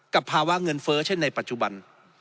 ภาวะเงินเฟ้อเช่นในปัจจุบัน